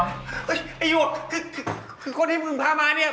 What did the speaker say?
ไอ้หยกคือคนที่มึงพามาเนี่ย